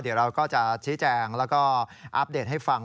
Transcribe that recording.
เดี๋ยวเราก็จะชี้แจงแล้วก็อัปเดตให้ฟัง